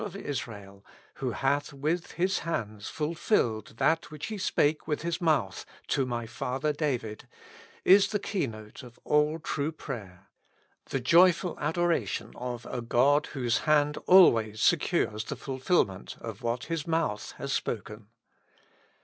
of Israel, who hath with His hands fulfilled that which He spake with His viouth to my father David," is the key note of all true prayer: the joyful adoration of a God whose hand always secures the fulfilment of what His mouth hath spoken.